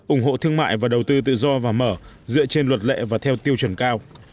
ủng hộ thương mại và đầu tư tự do và mở dựa trên luật lệ và theo tiêu chuẩn cao